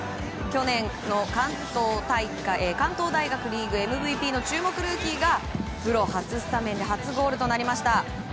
去年の関東大学リーグＭＶＰの注目ルーキーがプロ初スタメンで初ゴールとなりました。